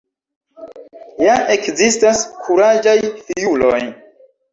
Ja ekzistas kuraĝaj fiuloj!